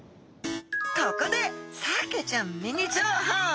ここでサケちゃんミニ情報。